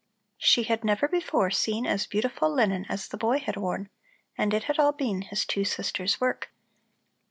She had never before seen as beautiful linen as the boy had worn, and it had all been his two sisters' work.